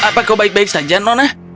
apa kau baik baik saja nonah